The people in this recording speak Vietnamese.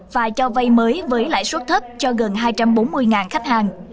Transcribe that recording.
và cho vay mới với lãi suất thấp cho gần hai trăm bốn mươi khách hàng